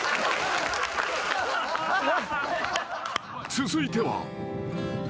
［続いては］